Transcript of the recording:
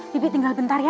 bibik tinggal bentar ya